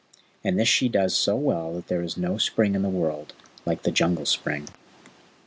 And this she does so well that there is no spring in the world like the Jungle spring.